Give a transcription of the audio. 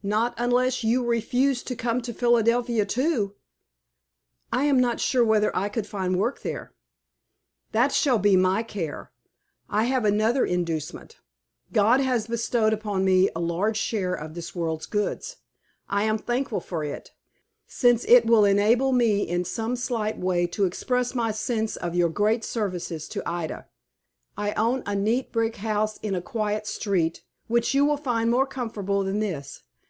"Not unless you refuse to come to Philadelphia, too." "I am not sure whether I could find work there." "That shall be my care. I have another inducement. God has bestowed upon me a large share of this world's goods. I am thankful for it, since it will enable me in some slight way to express my sense of your great services to Ida. I own a neat brick house in a quiet street, which you will find more comfortable than this.